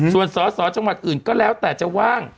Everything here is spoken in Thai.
ส่วนสอสอจังหวัดอื่นก็แล้วแต่จะว่าง